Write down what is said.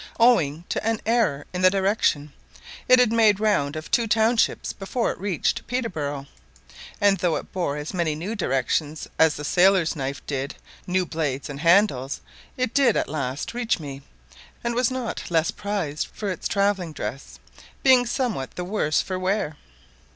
Owing to an error in the direction, it had made the round of two townships before it reached Peterborough; and though it bore as many new directions as the sailor's knife did new blades and handles, it did at last reach me, and was not less prized for its travelling dress, being somewhat the worse for wear.